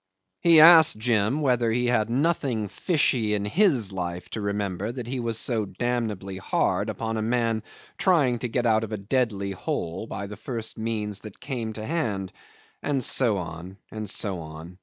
He asked Jim whether he had nothing fishy in his life to remember that he was so damnedly hard upon a man trying to get out of a deadly hole by the first means that came to hand and so on, and so on.